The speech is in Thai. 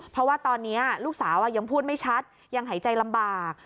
เพราะว่าตอนนี้ลูกสาวยังพูดไม่ชัดยังหายใจลำบาก